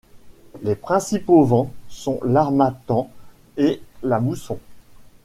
Les principaux vents sont l’harmattan et la mousson.